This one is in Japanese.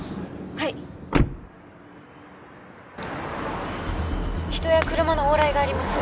はい人や車の往来があります